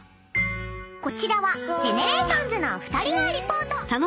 ［こちらはＧＥＮＥＲＡＴＩＯＮＳの２人がリポート］